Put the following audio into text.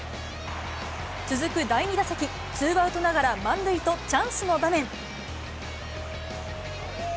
続く第２打席、ツーアウトながら満塁とチャンスの場面。